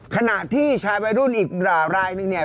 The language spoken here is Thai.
ขณะที่ชายวัยรุ่นอีกรายหนึ่ง